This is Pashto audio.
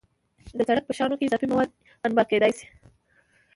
د سړک په شانو کې اضافي مواد انبار کېدای شي